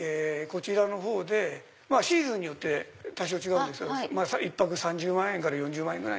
まぁシーズンによって多少違うんですが１泊３０万円から４０万円。